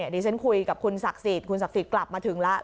ดิฉันคุยกับคุณศักดิ์สิทธิ์คุณศักดิ์สิทธิ์กลับมาถึงแล้ว